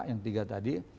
yang tiga tadi